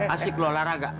asik loh lara gak